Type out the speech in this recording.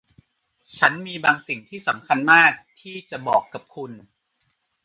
ฉันมีบางสิ่งที่สำคัญมากที่จะบอกกับคุณ